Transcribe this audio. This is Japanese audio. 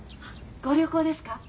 ご旅行ですか？